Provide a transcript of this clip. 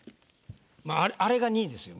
まああれが２位ですよ。